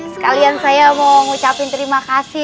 sekalian saya mau ngucapin terima kasih